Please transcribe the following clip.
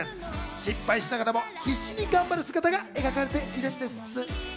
失敗しながらも必死に頑張る姿が描かれているんです。